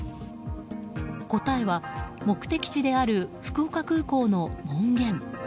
答えは目的地である福岡空港の門限。